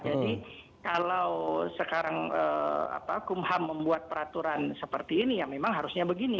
jadi kalau sekarang kumham membuat peraturan seperti ini ya memang harusnya begini